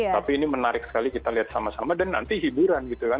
tapi ini menarik sekali kita lihat sama sama dan nanti hiburan gitu kan